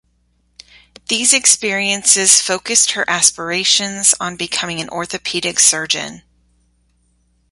These experiences focussed her aspirations on becoming an orthopaedic surgeon.